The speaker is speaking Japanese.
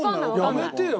やめてよ